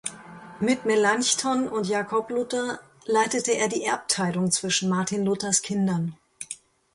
Mit Melanchthon und Jakob Luther leitete er die Erbteilung zwischen Martin Luthers Kindern.